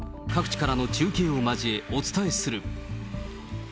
各地からの中継を交え、お伝えする。